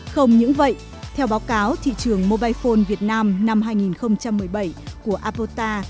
không những vậy theo báo cáo thị trường mobile phone việt nam năm hai nghìn một mươi bảy của apota